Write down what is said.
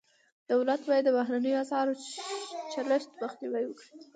دولت باید د بهرنیو اسعارو چلښت مخنیوی وکړي.